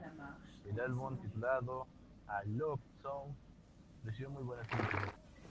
El álbum, titulado "A Love Song", recibió muy buenas críticas.